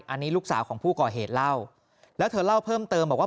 อันนี้ลูกสาวของผู้ก่อเหตุเล่าแล้วเธอเล่าเพิ่มเติมบอกว่า